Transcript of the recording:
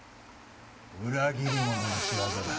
裏切り者の仕業だ。